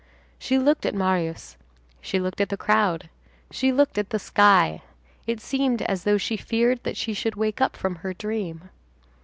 She looked at Marius, she looked at the crowd, she looked at the sky: it seemed as though she feared that she should wake up from her dream.